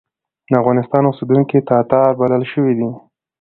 د افغانستان اوسېدونکي تاتار بلل شوي دي.